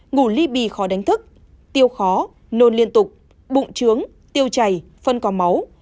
ngủ ly bì khó đánh thức tiêu khó nôn liên tục bụng trướng tiêu chảy phân có máu